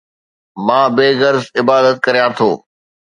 مان بي غرض عبادت ڪريان ٿو